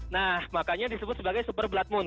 nah makanya disebut sebagai super blood moon